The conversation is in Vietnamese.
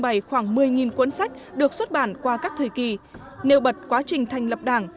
bày khoảng một mươi cuốn sách được xuất bản qua các thời kỳ nêu bật quá trình thành lập đảng